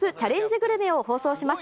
グルメを放送します。